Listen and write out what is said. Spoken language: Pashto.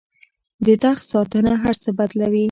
د تخت ساتنه هر څه بدلوي.